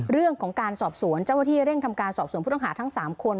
เรื่องของการสอบสวนเจ้าหน้าที่เร่งทำการสอบสวนผู้ต้องหาทั้ง๓คน